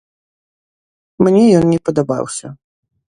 Мне ён не падабаўся.